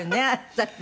私ね。